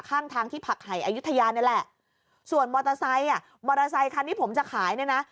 ข้างทางที่ผักไห่อายุทยานี่แหละส่วนมอเตอร์ไซค์อ่ะมอเตอร์ไซคันที่ผมจะขายเนี่ยนะ